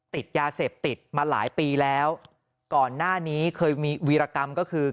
ติดยาเสพติดมาหลายปีแล้วก่อนหน้านี้เคยมีวีรกรรมก็คือ